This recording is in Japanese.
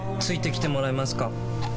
付いてきてもらえますか？